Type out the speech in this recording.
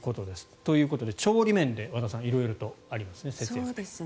ということで調理面で和田さん色々とありますね、節約術。